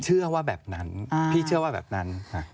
เชื่อว่าแบบนั้นพี่เชื่อว่าแบบนั้น